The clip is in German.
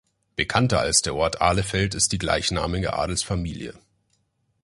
Bekannter als der Ort Ahlefeld ist die gleichnamige Adelsfamilie.